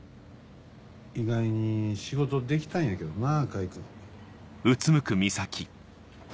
意外に仕事できたんやけどな貝君。